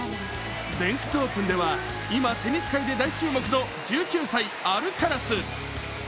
全仏オープンでは今、テニス界で大注目の１９歳・アルカラス。